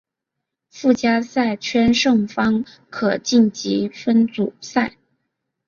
附加赛圈胜方可晋级分组赛。